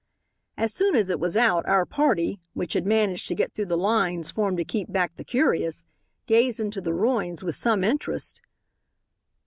As soon as it was out our party, which had managed to get through the lines formed to keep back the curious, gazed into the ruins with some interest.